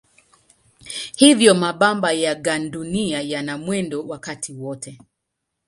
Hivyo mabamba ya gandunia yana mwendo wakati wote.